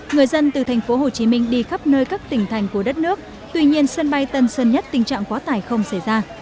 người dân từ thành phố hồ chí minh đi khắp nơi các tỉnh thành của đất nước tuy nhiên sân bay tân sơn nhất tình trạng quá tải không xảy ra